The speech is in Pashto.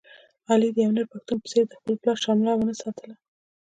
علي د یو نر پښتون په څېر د خپل پلار شمله و نه ساتله.